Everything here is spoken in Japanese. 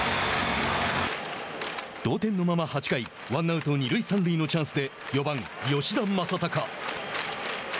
同点のまま８回ワンアウトの二塁三塁のチャンスで４番、吉田正尚。